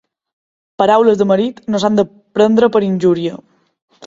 Paraules de marit no s'han de prendre per injúria.